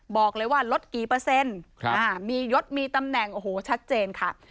บอกเลยว่าลดกี่เปอร์เซ็นต์มียศมีตำแหน่งโอ้โหชัดเจนค่ะ